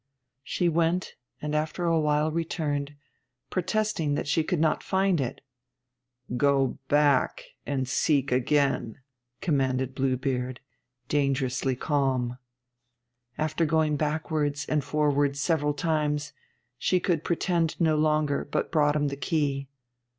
She went, and after a while returned, protesting that she could not find it. 'Go back and seek again,' commanded Blue Beard, dangerously calm. After going backwards and forwards several times, she could pretend no longer, but brought him the key.